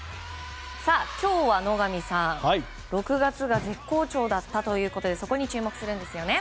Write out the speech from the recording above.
今日は野上さん６月が絶好調だったということでそこに注目するんですよね。